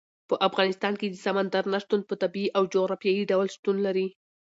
په افغانستان کې د سمندر نه شتون په طبیعي او جغرافیایي ډول شتون لري.